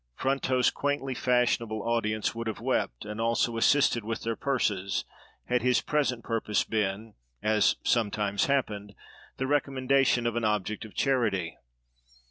Fronto's quaintly fashionable audience would have wept, and also assisted with their purses, had his present purpose been, as sometimes happened, the recommendation of an object of charity.